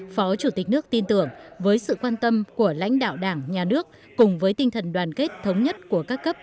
phó chủ tịch nước tin tưởng với sự quan tâm của lãnh đạo đảng nhà nước cùng với tinh thần đoàn kết thống nhất của các cấp